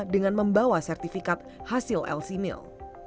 dengan membawa sertifikat hasil lc mil